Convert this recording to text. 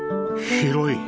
広い！